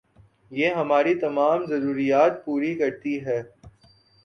یہ ہماری تمام ضروریات پوری کرتی ہے